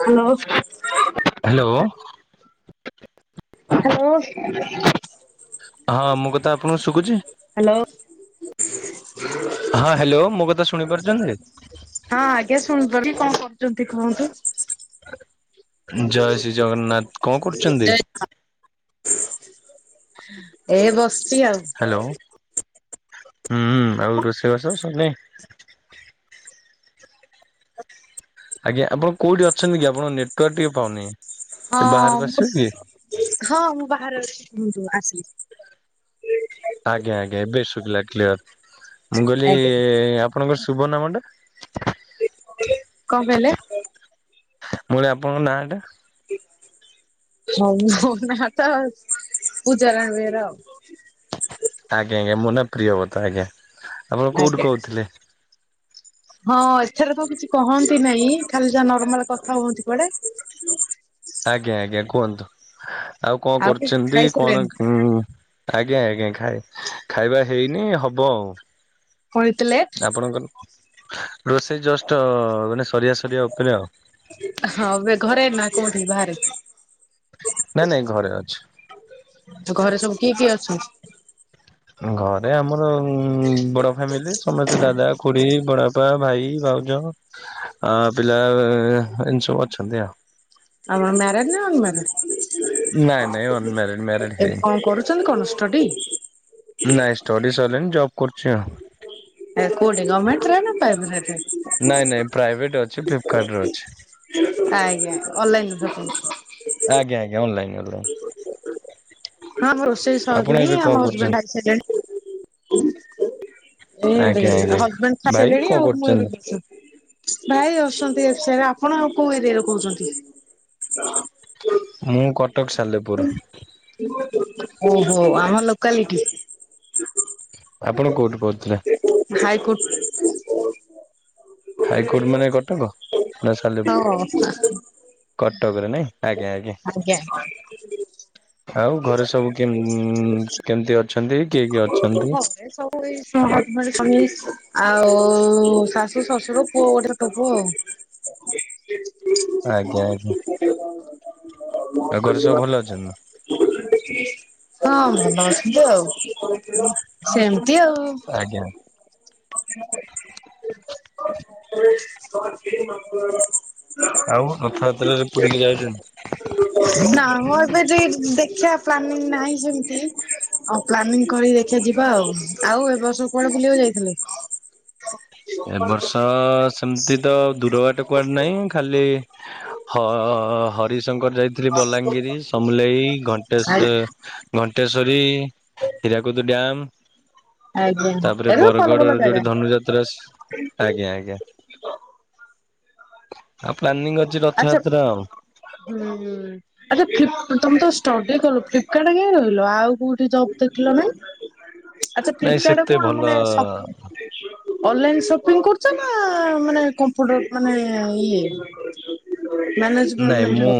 Hello. Hello. Hello. ହଁ ମୋ କଥା ଆପଣଙ୍କୁ ଶୁଭୁଛି? ହ୍ୟାଲୋ। ହଁ ହ୍ୟାଲୋ ମୋ କଥା ଶୁଣି ପାରୁଛନ୍ତି? ହଁ ଆଜ୍ଞା ଶୁଣପାରୁଛି। କଣ କରୁଛନ୍ତି କୁହନ୍ତୁ? ଜୟ ଶ୍ରୀ ଜଗନ୍ନାଥ। କଣ କରୁଛନ୍ତି? ଏ ବସିଛି ଆଉ। ହ୍ୟାଲୋ ହୁଁ ଆଉ ରୋଷେଇ ବାସ ସରିନି? ଆଜ୍ଞା ଆପଣ କୋଉଠି ଅଛନ୍ତି କି ଆପଣଙ୍କ ନେଟୱାର୍କ ଟିକେ ପାଉନି? ଟିକେ ହଁ ବାହାରକୁ ମୁ ଆସିବେ କି? ହଁ ମୁଁ ବାହାରେ ଅଛି। ଆସିଲ? ଆଜ୍ଞା ଆଜ୍ଞା ଏବେ ଶୁଖିଲା କ୍ଲିଅର। ମୁଁ କହିଲି ଆଜ୍ଞା ଆପଣଙ୍କର ଶୁଭ ନାମ ଟା? କଣ କହିଲେ? ମୁଁ କହିଲି ଆପଣଙ୍କ ନାଁଟା? [inaudible] ସବୁ ମୋ ନା ତ ପୂଜାରାଣୀ ବେହେରା ଆଉ। ଆଜ୍ଞା ଆଜ୍ଞା ମୋ ନା ପ୍ରିୟବତ, ଆଜ୍ଞା ଆପଣ କୋଉଠି ଆଜ୍ଞା। କହୁଥିଲେ? ହଁ ଏଥେରେ ତ କିଛି କହନ୍ତି ନାଇଁ, ଖାଲି ଯା ନର୍ମାଲ କଥା ହୁଅନ୍ତି କୁଆଡେ। ଆଜ୍ଞା ଆଜ୍ଞା କୁହନ୍ତୁ। ଆଉ କଣ ଆଉ କରୁଛନ୍ତି? କଣ ଖାଇସାରିଲେଣି ଆଜ୍ଞା ଆଜ୍ଞା ଖାଇ ଖାଇବା ହେଇନି ହବ ଆଉ। କଣ ଏତେ ଲେଟ? ଆପଣଙ୍କର ରୋଷେଇ ଜଷ୍ଟ ମାନେ ସ ହଁ ଏବେ ଘରେ ନା କୋଉଠି ବାହାରେ? ନାଇଁ ନାଇଁ ଘରେ ଅଛି। ଘରେ ସବୁ କିଏ କିଏ ଅଛନ୍ତି? ଘରେ ଆମର ବଡ ଫ୍ୟାମିଲି। ସମସ୍ତେ ଦାଦା, ଖୁୁଡି ବଡପା, ଭାଇ ଭାଉଜ ପିଲା ଅ ଏନ୍ତି ସବୁ ଅଛନ୍ତି ଆଉ। ଆଉ ମ୍ୟାରେଡ ନା ଅନ୍ ମ୍ୟାରେଡ? ନାଇଁ ନାଇଁ ଅନ ମ୍ୟାରେଡ, ମ୍ୟାରଡ ହେଇନି। ହାଟଟି? ନାଇଁ ଷ୍ଟଡି ସଇଲାଣି ଜବ ଏ କୋଉଠି ଗମେଣ୍ଟରେ ନା ପ୍ରାଇଭେଟ୍ ରେ? ନାଇଁ ନାଇଁ ପ୍ରାଇଭେଟ ଅଛି, ଫ୍ଲିପକାର୍ଟରେ ଅଛି। ଆଜ୍ଞା ଅନଲାଇନ୍ ସପି ଆଜ୍ଞା ଆଜ୍ଞା ଅନଲାଇନ ଅ ହଁ ଆମ ରୋଷେଇ ଆପଣ ସରିନି, ଏବେ କଣ ଆମ ହଜବେଣ୍ଡ କରୁଛନ୍ତି ଆସି ସାଇଲେଣି। ଏ ଆଡେ ଆଜ୍ଞା ଆଜ୍ଞା। [unintelligible] ହଜବେଣ୍ଡ ଖାଇ ଭାଇ ସାରିଲେଣି କଣ ଆଉ ମୁଁ ଏବେ କରୁଛନ୍ତି? ଭାଇ ଅଛନ୍ତି ଏ ଫ୍ ସେ ରେ, ଆପଣ ଆଉ କୋଉ ଏରିଆରୁ କହୁଛନ୍ତି? ମୁଁ କଟକ ସାଲେପୁର। ଓ ହୋ ଆମ ଲୋକାଲିଟି। ଆପଣ କୋଉଠୁ କହୁଥିଲେ? ହାଇକୋର୍ଟ ହାଇକୋର୍ଟ ମାନେ କଟକ ନା ସାଲେ ହଁ କଟକରେ ନାଇଁ ଆଜ୍ଞା ଆଜ୍ଞା। ଆଉ ଘରେ ସବୁ କେନ କେମିତି ଅ ହଁ ଘରେ ସବୁ ଏଇ [inaudible] ଆଉ ଶାଶୁ ଶଶୁର ପୁଅ ଗୋଟେ ଆଜ୍ଞା ଆଜ୍ଞା [unintelligible] ଆଉ। ହଁ ଆଉ ଘରେ ସବୁ ଭଲ ଅଛନ୍ତି ନା? ହଁ ଭଲ ଅଛନ୍ତି ଆଉ, ସେମିତି ଆଉ। ଆଜ୍ଞା [inaudible] ଆଉ ରଥଯାତ୍ରାରେ ପୁରୀ କି ଯାଉଛନ୍ତି? ଦେଖିଆ ପ୍ଲାନିଂ ନାହିଁ ସେମତି ଆ ପ୍ଲାନିଂ କରି ଦେଖିଆ ଯିବା ଆଉ। ଆଉ ଏ ବର୍ଷ କୁଆଡେ ବୁଲିବାକୁ ଯାଇଥିଲେ? ଏ ବର୍ଷ ସେମିତି ତ ଦୂର ବାଟ କୁଆଡେ ନାହିଁ, ଖାଲି ହ- ଅ- ଅ ହରିଶ ଶଙ୍କର ଯାଇଥିଲି ବଲାଙ୍ଗୀର ସମୁଲେଇ ଘଟେଶ ଆ ଘଣ୍ଟେଶ୍ଵରୀ ହୀରାକୁଦ ଡ଼୍ୟାମ, ଆଜ୍ଞା ତାପରେ ଏବେ ଭଲ ବରଗଡ ଭଲ ଜାଗା ଯୋଉଠି ଧନୁଯାତ୍ରା ଆଜ୍ଞା ଆଜ୍ଞା। ଆଉ ପ୍ଲାନିଂ ଅଛି ଆଛା ରଥଯାତ୍ରା ଆଉ। ହୁଁ ଆଛା ଫ ତମେ ତ ଷ୍ଟଡି କଲ ଫ୍ଲିପକାର୍ଟ କାଇଁ ରହିଲ, ଆଉ କୋଉଠି ଜବ ଦେଖିଲ ନେଇଁ? ଆଚ୍ଛା ନାଇଁ ଫ୍ଲିପକାର୍ଟରେ ସେତେ କଣ ଭଲ ମାନେ ସ ଅନଲାଇନ୍ ସପିଂ କରୁଛ ନା ମାନେ କମ୍ପୁଟର ମାନେ ଇଏ? ନାଇଁ ମ୍ୟାନେଜମେଣ୍ଟ ମୁଁ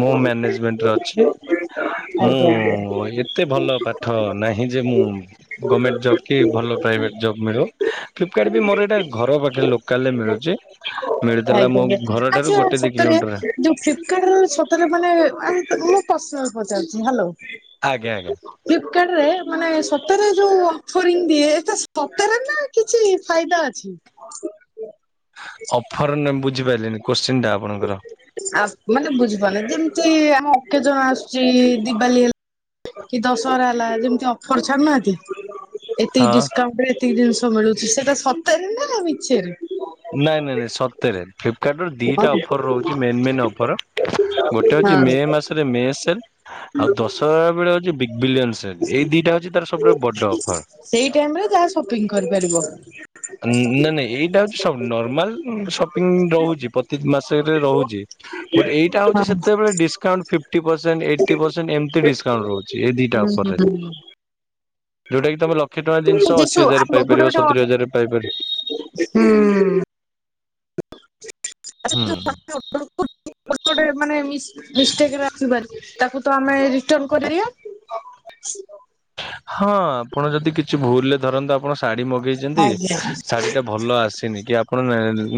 ମୁଁ ମ୍ୟାନେଜମେଣ୍ଟରେ ଅଛି। ଆଜ୍ଞା ଆଜ୍ଞା। ମୁଁ ଏତେ ଭଲ ପାଠ ନାହିଁ ଯେ ମୁଁ ଗମେଣ୍ଟ ଜବ୍ କି ଭଲ ପ୍ରାଇଭେଟ୍ ଜବ୍ ମିଳୁ, ଫ୍ଲିପକାର୍ଟ ବି ମୋର ଏଇଟା ଘର ପାଖରେ ଲୋକାଲରେ ମିଳୁଚି। ମିଳିଥିଲା ମୋ ଆଜ୍ଞା ଘରଠାରୁ ଆଚ୍ଛା ଗୋଟେ ଦି ସତରେ କିଲମିଟର। ଯୋଉ ଫ୍ଲିପକାର୍ଟରେ ସତରେ ମାନେ ମୁଁ ପର୍ସନାଲ ପଚାରୁଛି ହାଲୋ। ଆଜ୍ଞା ଆଜ୍ଞା। ମାନେ ସତରେ ଯୋଉ ଅଫରିଂ ଦିଏ, ଏଇଟା ସତରେ ନା କିଛି ଫାଇଦା ଅଛି? [unintelligible] ଅଫର ମାନେ ବୁଝିପାରଲିନି କୋଶ୍ଚିନ୍ ଟା ଆପଣଙ୍କର। ଆ ମାନେ ବୁଝିପାରୁନି ଯେମତି ଆମ ଅକେଜନ ଆସୁଚି ଦିିୱାଲି ହେଲ କି ଦଶହରା ହେଲା ଯେମତି ଅଫର ଛାଡୁନାହାନ୍ତି। ଏତିକି ହଁ ଡିସକାଉଣ୍ଟରେ ଏତିକି ଜିନିଷ ମିଳୁଛି, ସେଟା ସତରେ ନା ମିଛରେ? ସେଟରେ ଫ୍ଲିପକାର୍ଟରୁ ଦିଟା ହଁ ଅଫର ରହୁଛି ମେନ୍ ମେନ୍ ଅଫର। ଗୋଟେ ହଉଚି ମେ ମାସେରେ ମେ ସେଲ, ଆଉ ଦଶହରା ବେଳେ ହଉ ବିିଲିୟନ ସେ ଏଇ ଦିଟା ହଉଚି ତାର ସବୁଠାରୁ ବଡ ଅଫର। ସେଇ ଟାଇମ ରେ ଯାହା ସପିଂ କରିପାରିବ। ହଁ ଉଁ ନା-ନାଇଁ ଏଇଟା ହଉଚି ସବୁ ନର୍ମାଲ ସପିଙ୍ଗ ରହୁଚି, ପ୍ରତି ମାସରେ ରହୁଚି। ବଟ୍ ଏଇଟା ହଉଚି ସେତେବେଳେ discount fifty percent, eighty percent, ଏମତି ଡିସକାଉଣ୍ଟ ରହୁ ଚି ଏ ଦିଟା ହୁଁ ଅଫରରେ ଯୋଉଟା କି ତମର ଲକ୍ଷେ ଟଙ୍କା ଜିନଷ ଅଶୀ ହଜାର ହୁଁ ପାଇପାରିବ ଗୋଟେ ସତୁରୀ ଗୋଟେ ହଜାର ହୁଁ। ହୁଁ। ଗେଟେ ମାନେ ମିସ୍ ମିସଟେକରେ ଆସିପାରେ ତାକୁ ତ ଆମେ ରିଟର୍ନ କରିପାରିବା। [unintelligible] ହଁ। ଆପଣ ଯଦି କିଛି ଭୁଲରେ ଧରନ୍ତୁ ଆପଣ ଶାଢୀ ମଗେଇଛନ୍ତି ଆଜ୍ଞା ଶାଢୀଟା ଭଲ ଆସିନି, କି ଆପଣ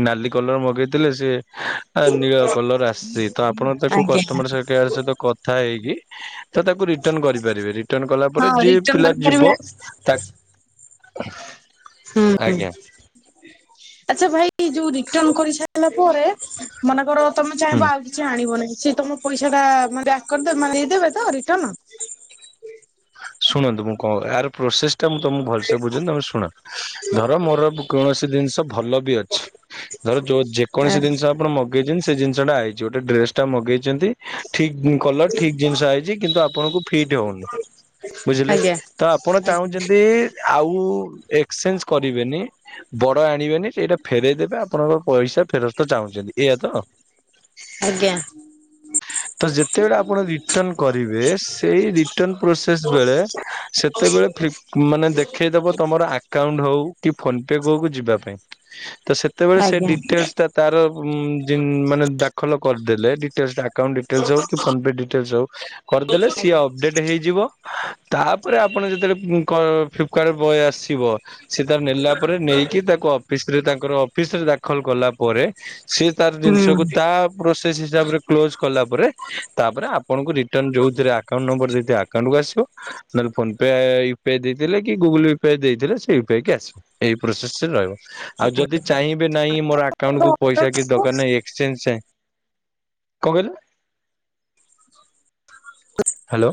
ନାଲି କଲର ମଗେଇଥିଲେ ସିଏ ଆ ନୀଳ କଲର ଆସଛି ତ ଆପଣ ତାକୁ ଆଜ୍ଞା କଷ୍ଟମର କେୟାର ସହିତ କଥା ହେଇକି ତ ତାକୁ ରିଟର୍ନ କରିପାରିବେ ରିଟର୍ନ କଲା ପରେ ହଁ ଯିଏ ରିଟର୍ଣ ପିଲା ଯିବ, କରିପାରିବା। ତା [unintelligible] ହୁଁ ଆଜ୍ଞା। ଆଚ୍ଛା ଭାଇ ଯୋଉ ରିଟର୍ନ କରିସାରିଲା ପରେ ମନେକର ତମେ ହୁଁ ଚାହିଁବ ଆଉ କିଛି ଆଣିବ ନାହିଁ। ସିଏ ତମ ପଇସାଟା ବ୍ୟାକ୍ କରିଦବେ ମାନେ ଇଏ ଦେବେ ତ ରିଟର୍ନ। ଶୁଣନ୍ତୁ ମୁଁ କଣ ଏହାର ପ୍ରୋସେସ ଟା ମୁଁ ତମକୁ ଭଲସେ ବୁଝନି ତମେ ଶୁଣ, ଧର ମୋର କୌଣସି ଜିନଷ ଭଲ ବି ଅଛି ଧର ଯ ଆ ଯେକୌଣସି ଜିନଷ ଆପଣ ମଗେଇଛନ୍ତି ସେ ଜିନଷଟା ଆଇ ଯୋଉଟା ଡ୍ରେସଟା ମଗେଇଛନ୍ତି ଠିକ କଲର ଠିକ ଜିନଷ ହେଇଛି କିନ୍ତୁ ଆପଣଙ୍କୁ ଫିଟ୍ ହଉନି। ବୁଝିଲେ ଆଜ୍ଞା ତ ଆପଣ ଚାହୁଁଛନ୍ତି ଆଉ ଏକ୍ସଚେଞ୍ଜ କରିବେନି ବଡ ଆଣିବେନି ସେଇଟା ଫେରଇ ଦେବେ ଆପଣଙ୍କ ପଇସା ଫେରସ୍ତ ଚାହୁଁଛନ୍ତି। ଏଇଆ ତ। ଆଜ୍ଞା। ତ ଯେତେବେଳେ ଆପଣ ରିଟର୍ନ କରିବେ, ସେଇ ରିଟର୍ନ ପ୍ରୋସେସ ବେଳେ, ସେ ତେବେଳେ ଫିପ ମାନେ ଦେଖେଇଦବ ତମର ଆକାଉଣ୍ଟ ହଉ କି ଫୋନ ପେ କୁ ଯିବା ପାଇଁ। ତ ସେତେବେଳେ ସେ ଆଜ୍ଞା ଡିଟେଲ୍ସଟା ତାର ଉମ୍ ଜିନ୍ ମାନେ ଦାଖଲ କରିଦେଲେ ଡିଟେଲ୍ସଟା ଆକାଉଣ୍ଟ ଡିଟେଲ୍ସ ହଉ କି ଫୋନ ପେ ଡିଟେଲ୍ସ ହଉ, କ ରଦେଲେ ସିଏ ଅପଡେଟ୍ ହେଇ ଯିବ ତାପରେ ଆପଣ ଯେତେବେଳେ କ ଫ୍ଲିପକାର୍ଟ ବୟେ ଆସିବ। ସେ ତାର ନେଲା ପରେ ନେଇକି ତାକୁ ଅଫିସରେ ତାଙ୍କର ଅଫିସ ରେ ଦାଖଲ କଲା ପରେ ସିଏ ତାର ହୁଁ। ଜିନିଷକୁ ତା ପ୍ରୋସେସ ହିସାବରେ କ୍ଲୋଜ କଲା ପରେ ତାପରେ ଆପଣଙ୍କୁ ରିଟର୍ନ ଯୋଉ ଥିରେ ଆକାଉଣ୍ଟ ନମ୍ବର ଦେଇଥିବେ ଆକାଉଣ୍ଟକୁ ଆସିବ, ନହେଲେ ଫୋନ୍ ପେ ଆଇ ୟି ଦେଇଥିଲେ କି ଗୁଗଲେ ଦେଇଥିଲେ ସେୟୁପିଆଇ କି ଆସିବ ଏଇ ପ୍ରୋସେସ ରେ ରହିବ। ଆଉ ଯଦି ଚାହିଁବେ ନହିଁ ମୋର ଆକାଉଣ୍ଟ କୁ ପଇସା କିଛି ଦରକାର ନାହିଁ ଏକ୍ସଚେଞ୍ଜ ଯଏଁ କଣ କହିଲ ହ୍ୟାଲୋ।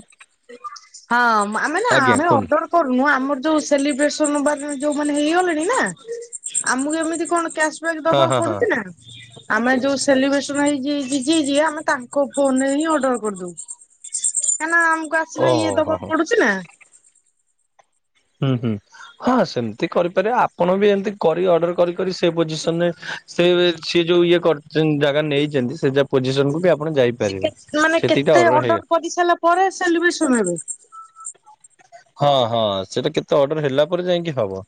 ହଁ ଆମେନା ଆଜ୍ଞା ଆମେ କୁହନ୍ତୁ ଅର୍ଡ଼ର କରୁନୁ ଆମର ଯୋଉ ସେଲିବ୍ରେସନ ବା ଯୋଉମାନେ ହେଇଗଲେଣି ନା ଆମକୁ ଏମିତି କଣ କ୍ୟାସ ବ୍ୟାକ ହଁ ଦବାକୁ ହଁ ହଁ ପଡ଼ୁଛି ନା ଆମେ ଯୋଉ ସେଲିବ୍ରେସନ ଯିଏ କି ଯିଏ ଯିଏ ଆମେ ତାଙ୍କ ଫୋନରେ ହିଁ ଅର୍ଡ଼ର କରିଦଉ କାଇଁକିନା କୁ ଆସିଲେ ଇଏ ଓହୋ ହୋ ହୋ। ଦବାକୁ ପଡ଼ୁଛି ନା ହୁଁ ହୁଁ ହଁ ସେମିତି କରିପାରିବେ ଆପଣ ବି ଏମତି କରି ଅର୍ଡ଼ର କରି କରି ସେ ପୋଜିସନ ରେ ସେ ଯୋଉ ଇଏ ସିଏ ଯୋଉ ଇଏ କର ଜାଗା ନେଇଛନ୍ତି ସେ ପୋଜିସନକୁ ବି ଆପଣ ସେ କେ ଯାଇପାରିବେ ସେତିକ ଅଡ଼ର ହେଇଗ ସେଲିବ୍ରସନ ହେବ। ହଁ ହଁ ସେଟା କେତେ ତ ଅର୍ଡର ହେଲା ପରେ ଯାଇକି ହବ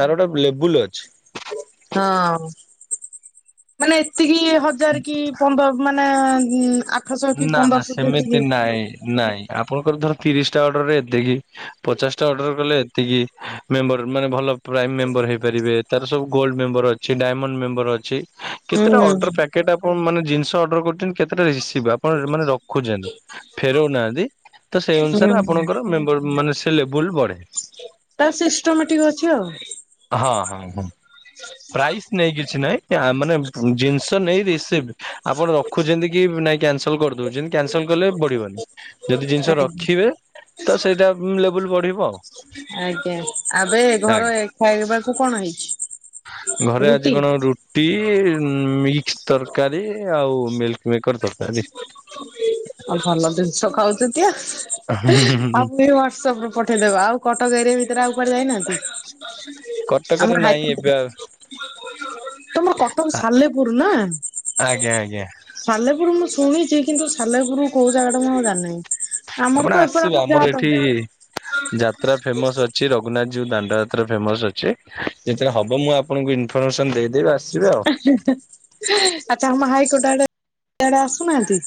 ତାର ଗୋଟେ ଲେବୁଲ ଅଛି। ମାନେ ଏତିକି ହଜାର କି ପନ୍ଦର ମାନେ ଆଠଶହ କି ନା ନା ପନ୍ଦରଶହ ସେମିତି ଯେତିକି ନାଇଁ ନାଇଁ। ଆପଣଙ୍କର ଧର ତିରିଶ ଟା ଅର୍ଡର ରେ ଏତିକି ପଚାଶ ଟା ଅର୍ଡର କଲେ ଏତିକି ମେମ୍ବର ମାନେ ଭଲ ପ୍ରାଇମ ମେମ୍ବର ହେଇପାରିବେ ତାର ସବୁ ଗୋଲ୍ଡ ମେମ୍ବର ଅଛି ଡ଼ାଇମଣ୍ଡ ମେମ୍ବର ଅଛି। ହୁଁ କେତେଟା ଅର୍ଡ଼ର ପ୍ୟାକେଟ ଆପଣ ମାନେ ଜିନିଷ ଅଡ଼ର କରୁଛନ୍ତି କେତେଟା ରିସିଭ ପଣ ମାନେ ରଖୁଛନ୍ତି ଫେରଉନାହାନ୍ତି ତ ସେଇ ଅନୁସାରେ ହୁଁ ଆପଣଙ୍କର ମେମ୍ବର ମାନେ ସେ ଲେବୁଲ ବଢ଼େ। ତା ସିଷ୍ଟମ ଟିକେ ଅଛି ଆଉ। ହଁ ହଁ ହଁ ପ୍ରାଇସ୍ ନେଇ କିଛି ନହିଁ ମାନେ ଜିନିଷ ନେଇ ରିସିଭ ଆପଣ ରଖୁଛନ୍ତି କି ନାଇଁ କ୍ୟାନସଲ କରୁ ଦଉଛନ୍ତି କାନସଲ କଲେ ବଢ଼ିବନି ଯଦି ଜିନିଷ ଆଜ୍ଞା ରଖିବେ ତ ସେଇଟା ଲେବୁଲ ବଢ଼ିବ। ଆଜ୍ଞା ଆବେ ଘରେ ଆଜ୍ଞା ଏ ଖାଇ ଘରେ ଆଜି ରୁଟି କଣ ରୁଟି ମି ତରକାରୀ ଆଉ ମିଲ୍ ମିକ ଆଉ ଭଲ ଜିନିଷ ଖାଉଛନ୍ତି ଆଉ। ଆଉ ମୁ ହ୍ୱାଟସଆପ ରୁ ପଠେଇଦେବେ ଆଉ କଟକ ଏରି ଭିତରେ ଆଉ କୁଆଡ଼େ ଯାଇନାହାନ୍ତି? କଟକରେ ଆମର ନାହିଁ ହାଇକୋଟ ଏବେ ଆଉ ତମର କଟକ ସାଲେପୁର ନା ଆଜ୍ଞା ଆଜ୍ଞା ସାଲେପୁର ମୁ ଶୁଣିଛି କିନ୍ତୁ ସାଲେପୁରରୁ କୋଉ ଜାଗା ଟା ମୁଁ ଆଁ ଜାଣି ନାହିଁ। ଆପଣ ଆସିବେ ଆମର ଏଠି ଯାତ୍ରା ଫେମସ ଅଛି ରଘୁନାଥ ଯୋଉ ଦାଣ୍ଡ ଯାତ୍ରା ଫେମସ ଅଛି ଯେତେବେଳେ ହବ ମୁଁ ଆପଣଙ୍କୁ ଇନଫର୍ମେସନ ଦେଇଦେବି ଆ ଆଛା ଆମ ହାଇକୋ ର୍ଟ ଆଡ଼େ ଆଡ଼େ ଆସୁନାହାନ୍ତି?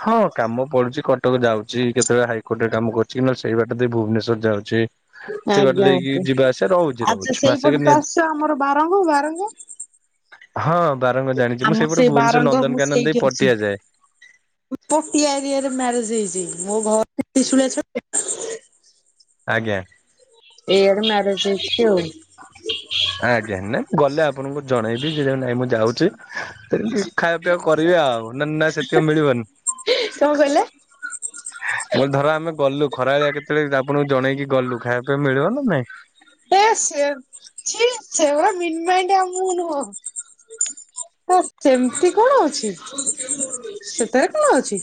ହଁ କାମ ପଡୁଛି କଟକ ଯାଉଛି କେତେବେଳେ ହାଇକୋର୍ଟ ରେ କାମ କରୁଛି କି ନଲେ ସେଇ ବାଟ ଦେଇ ଭୁବନେଶ୍ଵର ଯାଉଚି। ସେଇ ବାଟ ଆଜ୍ଞା ଦେଇକି ଆଜ୍ଞା ଯିବା ଆସିବା ର ଆଚ୍ଛା ସେଇପଟେ ତ ଆସଛ ଆମର ବାରଙ୍ଗ ବାରଙ୍ଗ। ହଁ ବାରଙ୍ଗ ଜାଣିଛି ମୁଁ ଆମ ସେଇପଟେ ସେଇ ଭୁବନେଶ୍ୱର ବାରଙ୍ଗ ମୁଁ ନନ୍ଦନକାନନ ଦେଇ ସେଇଠି ଅଛି ପଟିଆଯାଏ। ପଟିଆ ଏରିଆ ରେ ମ୍ୟାରେଜ ହେଇଛି ମୋ ଘର ତ୍ରିଶୁଲିଆ ଛକ। ଆଜ୍ଞା। ଏୟର ମ୍ୟାରେଜ ହେଇଛି ଆଉ। ହଁ ଆଜ୍ଞା ନାଇଁ ମୁଁ ଗଲେ ଆପଣଙ୍କୁ ଜଣେଇବି ଯେ ନାଇଁ ମୁଁ ଯାଉଛି ସେମିତି ଖାଇବା ପିଇବା କରିବେ ଆଉ ନା ନା ସେତିକ ମିଳିବନି? କଣ କହିଲେ? ମୋର ଧର ଆମେ ଗଲୁ ଖରା ବେଳିଆ କେତେବେଳେ ଆପଣଙ୍କୁ ଜଣେଇକି ଗଲୁ ଖାଇବା ପିଇବା ମିଳିବ ନା ନାଇଁ? ଏ ସେ ଛି ସେ ଭଳିଆ ମିନ ମାଇଣ୍ଡ ଆ ମୁଁ ନୁହଁ। ହ ସେମିତି କଣ ଅଛି ସେଥିରେ କଣ ଅଛି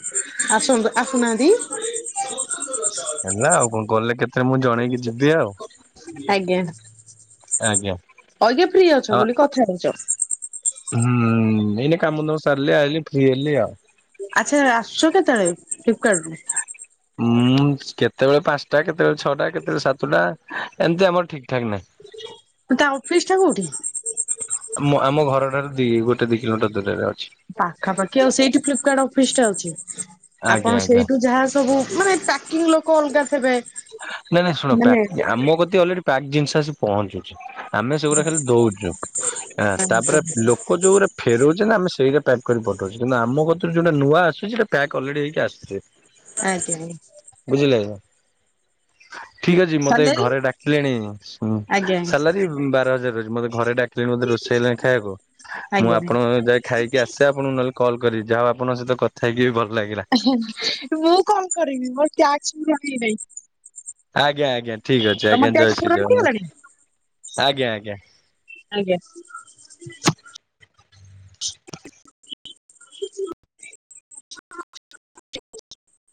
ଆସନ୍ତୁ ଆସୁନାହାନ୍ତି। ତି ହେଲା ଆଉ କଣ ଗଲେ କେତେବେ ମୁଁ ଜଣେଇକି ଯିବି ଆଉ। ଆଜ୍ଞା ଆଜ୍ଞା। କହିଦିଅ ଫ୍ରି ଆ ଅଛ ବୋଲି କଥା ହଉଛ। ହୁଁ ଏଇନେ କାମଦାମ ସାରିଲି ଆଇଲି ଫ୍ରି ହେଲି ଆଉ। ଆଛା ଆସୁଛ କେତେବେଳେ ଫ୍ଲିପକାଡରୁ। ମୁଁ କେତେବେଳେ ପାଞ୍ଚଟା କେତେବେଳେ ଛଅଟା କେତେବେଳେ ସାତଟା ଏମିତି ଆମର ଠିକ ଠାକ୍ ନାହିଁ। ତା ଅଫିସ୍ ଟା କୋଉଠି? ମୁଁ ଆମ ଘର ଠାରୁ ଦି ଗୋଟେ ଦି କିଲୋମିଟର ଦୂରରେ। ଅଛି ପାଖାପାଖି ଆଉ ସେଇଠି ଫ୍ଲିପକାର୍ଟ ଅଫିସ ଟା ଅଛି ଆଜ୍ଞା ଆପଣ ଆଜ୍ଞା। ସେଇଠୁ ଯାହା ସବୁ ମାନେ ପାକିଙ୍ଗ ଲୋକ ଅଲଗା ଥେବେ। ନାଇଁ ନାଇଁ ଶୁଣପ୍ୟାକ ଆମ କତିକି ଅଲେଡି ପ୍ୟାକ୍ ଜିନିଷ ଆସି ପହଞ୍ଚୁଛି। ଆମେ ସେଗୁରା ଖାଲି ଦଉଚୁ ହା ଆଜ୍ଞା ତାପରେ ଲୋକ ଯୋଉରା ଫେରଉଛନ୍ତି ଆମେ ସେଇରା ପ୍ୟାକ କରି ପଡ ପଠଉଚୁ କିନ୍ତୁ ଆମ କତିରୁ ଯୋଉଟା ନୂଆ ଆସୁଛି ହେଟା ପ୍ୟାକ୍ ଅଲେଡି ହେଇକି ଆସେ। ଆଜ୍ଞା। [inaudible] ଠିକ ଅଛି ମତେ ସାଲେରି ଘରେ ଡାକିଲେଣି ଆଜ୍ଞା ସାଲାରୀ ବାର ହଜାର ରହୁଛି ମତେ ଘରେ ଡାକିଲେଣି ମତେ ରୋଷେଇ ହେଲାଣି ଖାଇବାକୁ ମୁଁ ଆଜ୍ଞା ଆପଣ ଯାଇକି ଖାଇକି ଆସେ ଆପଣଙ୍କୁ ନହେଲେ କଲ କରିବି ଯାହା ଆପଣଙ୍କ ସହିତ କଥାହେଇକି ଭଲ ଲାଗିଲା। ଏହେ ମୁଁ କଣ କରିବି ମୋର ଟ୍ୟାକ୍ସ ବି ଆସିନାହିଁ। ଆଜ୍ଞା ଆଜ୍ଞା ଠିକ ଅଛି ଆଜ୍ଞା ଜୟଶ୍ରୀ ପୂରଣ ହେଇଗଲାଣି ଜଗନ୍ନାଥ ଆଜ୍ଞା ଆଜ୍ଞା। ଆଜ୍ଞା। [inaudible]